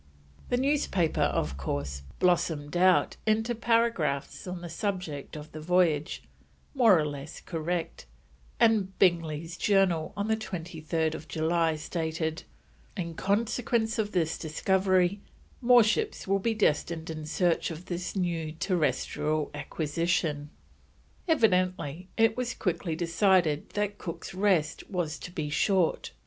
The newspapers, of course, blossomed out into paragraphs on the subject of the voyage, more or less correct, and Bingley's Journal on 23rd July stated: "In consequence of this discovery, more ships will be destined in search of this new terrestrial acquisition." Evidently it was quickly decided that Cook's rest was to be short.